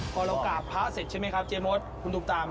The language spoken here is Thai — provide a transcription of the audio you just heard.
พอเรากลับพระอาเศษใช่ไหมครับเจมส์คุณทุ่มตาม